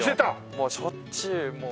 もうしょっちゅう。